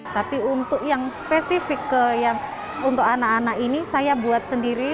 tapi untuk yang spesifik yang untuk anak anak ini saya buat sendiri